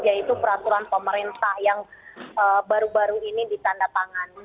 yaitu peraturan pemerintah yang baru baru ini ditanda tangan